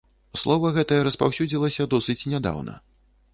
Слова гэтае распаўсюдзілася досыць нядаўна.